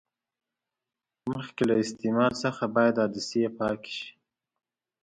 مخکې له استعمال څخه باید عدسې پاکې شي.